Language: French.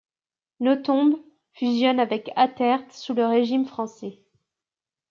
Nothomb fusionne avec Attert sous le régime français.